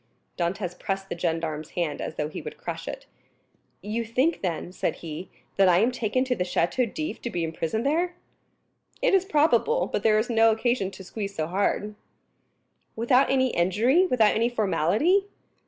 Dantès pressed the gendarme's hand as though he would crush it. "You think, then," said he, "that I am taken to the Château d'If to be imprisoned there?" "It is probable; but there is no occasion to squeeze so hard." "Without any inquiry, without any formality?"